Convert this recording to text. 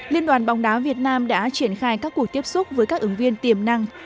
liên đoàn bóng đá việt nam đã triển khai các cuộc tiếp xúc với các ứng viên tiềm năng